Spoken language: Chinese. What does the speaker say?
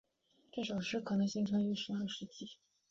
这首诗可能形成于十二世纪。